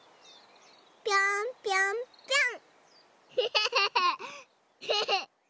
ぴょんぴょんぴょん！